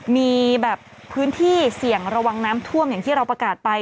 มีแบบพื้นที่เสี่ยงระวังน้ำท่วมอย่างที่เราประกาศไป